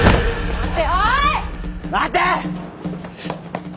待て！